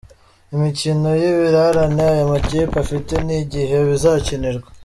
Imikino y’ibirarane aya makipe afite n’igihe bizakinirwa.